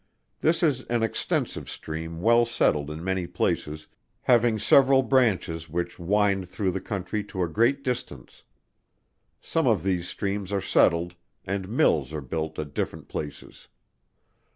This is an extensive stream well settled in many places, having several branches which wind through the country to a great distance. Some of these streams are settled, and mills are built at different places.